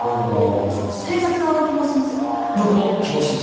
検察側を希望します。